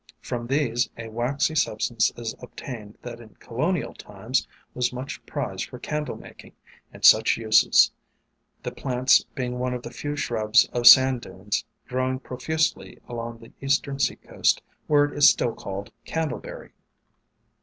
From these a waxy substance is obtained that in Colonial times was much prized for candle making and such uses, the plants being one of the few shrubs of sand dunes, growing profusely along the eastern seacoast, where it is still called Candleberry.